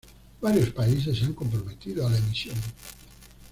Varios países se han comprometido a la emisión.